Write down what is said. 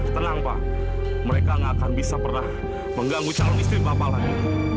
tenang pak mereka gak akan bisa pernah mengganggu calon istri bapak lagi